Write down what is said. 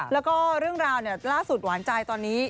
แล้วก็เรื่องราวล่าสุดหวานใจตอนนี้